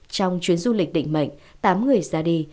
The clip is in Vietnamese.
trong chuyến du lịch định mệnh tám người ra đi